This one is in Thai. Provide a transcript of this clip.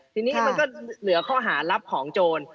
ทีนี้มันก็เหลือข้อหารับของโจร